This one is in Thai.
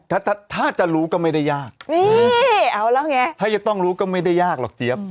ถ้าถ้าจะรู้ก็ไม่ได้ยากนี่เอาแล้วไงถ้าจะต้องรู้ก็ไม่ได้ยากหรอกเจี๊ยบ